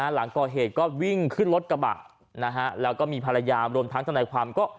หลังก่อเหตุก็วิ่งขึ้นรถกระบะแล้วก็มีภรรยารวมทั้งทนายความก็